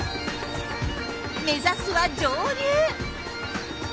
目指すは上流。